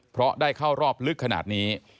เพราะได้เข้ารอบลึกขนาดนี้